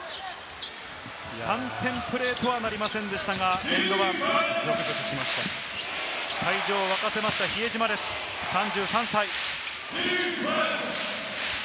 ３点プレーとはなりませんでしたが、エンド１。会場を沸かせました、比江島です、３３歳。